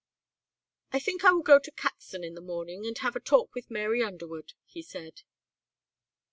"I think I will go to Caxton in the morning and have a talk with Mary Underwood," he said.